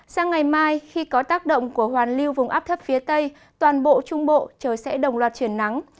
sang ngày mai khi có tác động của hoàn lưu vùng áp thấp phía tây toàn bộ trung bộ trời sẽ đồng loạt chuyển nắng